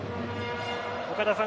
岡田さん